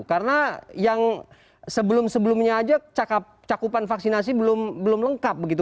karena yang sebelum sebelumnya aja cakupan vaksinasi belum lengkap begitu